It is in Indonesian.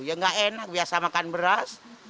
ya nggak enak biasa makan beras